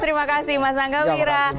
terima kasih mas angga wira